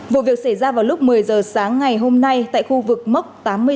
vụ việc xảy ra vào lúc một mươi giờ sáng ngày hôm nay tại khu vực mốc tám mươi bảy